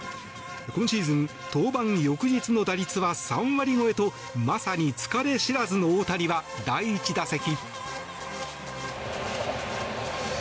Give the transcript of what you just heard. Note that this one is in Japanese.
今シーズン登板翌日の打率は３割超えとまさに疲れ知らずの大谷は第１打席。